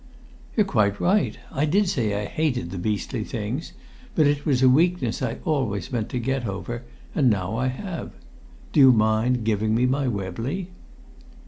"You're quite right! I did say I hated the beastly things, but it was a weakness I always meant to get over, and now I have. Do you mind giving me my Webley?"